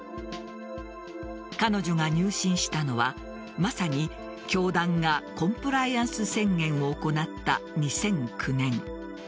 彼女は入信したのはまさに教団がコンプライアンス宣言を行った２００９年。